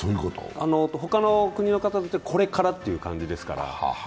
ほかの国の方はこれからという感じですから。